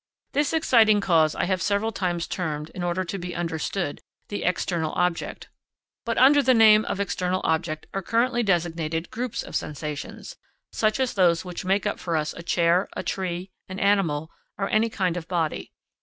This exciting cause I have several times termed, in order to be understood, the external object. But under the name of external object are currently designated groups of sensations, such as those which make up for us a chair, a tree, an animal, or any kind of body.